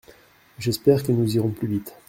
J’espère que nous irons plus vite.